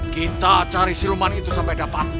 kita cari siluman itu sampai dapat